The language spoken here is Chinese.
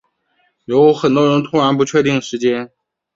有很多人突然不确定时间